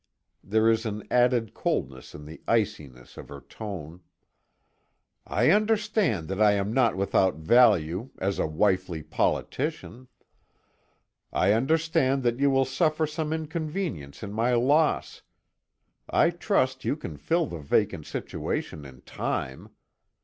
There is an added coldness in the iciness of her tone: "I understand that I am not without value as a wifely politician. I understand that you will suffer some inconvenience in my loss. I trust you can fill the vacant situation in time.